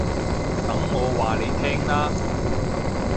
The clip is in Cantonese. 等我話你聽啦